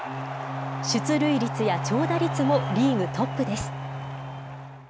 出塁率や長打率もリーグトップです。